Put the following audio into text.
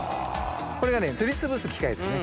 これがすりつぶす機械ですね